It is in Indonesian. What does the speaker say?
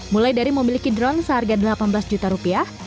mulai dari memiliki drone seharga delapan belas juta rupiah